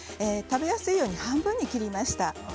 食べやすいように半分に切りました。